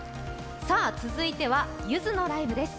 続いては、ゆずのライブです。